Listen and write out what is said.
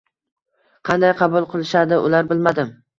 Qanday qabul qilishadi ular bilmadim.